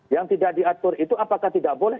yang tidak diatur itu apakah tidak boleh